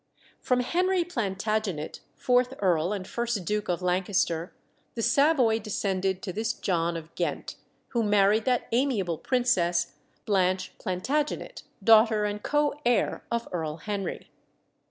From Henry Plantagenet, fourth Earl and first Duke of Lancaster, the Savoy descended to this John of Ghent, who married that amiable princess, Blanche Plantagenet, daughter and co heir of Earl Henry.